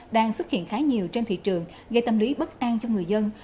đang xuất hiện khá nhiều trên thị trường gây tâm lý bất an cho người dân